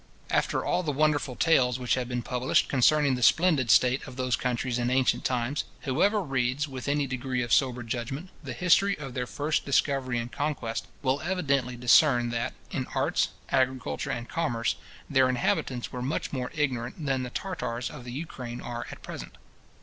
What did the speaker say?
After all the wonderful tales which have been published concerning the splendid state of those countries in ancient times, whoever reads, with any degree of sober judgment, the history of their first discovery and conquest, will evidently discern that, in arts, agriculture, and commerce, their inhabitants were much more ignorant than the Tartars of the Ukraine are at present.